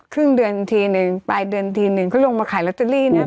ครึ่งเดือนทีหนึ่งปลายเดือนทีหนึ่งเขาลงมาขายลอตเตอรี่นะ